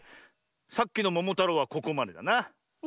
さっきの「ももたろう」はここまでだな。